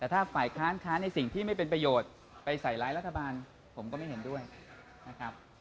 แต่ถ้าฝ่ายค้านค้านในสิ่งที่ไม่เป็นประโยชน์ไปใส่ร้ายรัฐบาลผมก็ไม่เห็นด้วยนะครับ